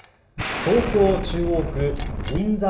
東京中央区銀座８